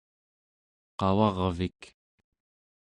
qavarvik